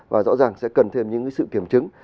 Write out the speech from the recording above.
và rõ ràng sẽ cần thêm những sự kiểm chứng